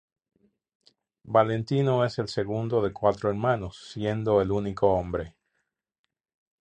Valentino es el segundo de cuatro hermanos, siendo el único hombre.